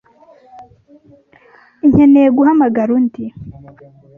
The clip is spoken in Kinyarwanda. Nkeneye guhamagara undi